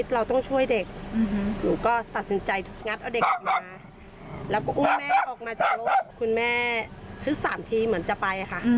แล้วก็อุ้มแม่ออกมาจากรถคุณแม่คือ๓ทีเหมือนจะไปค่ะ